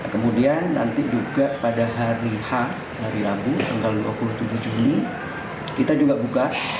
kemudian nanti juga pada hari rabu dua puluh tujuh juni kita juga buka